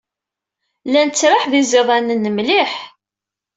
La nettraḥ d iẓidanen mliḥ.